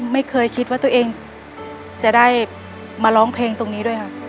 ไม่เคยคิดว่าตัวเองจะได้มาร้องเพลงตรงนี้ด้วยค่ะ